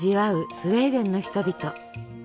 スウェーデンの人々。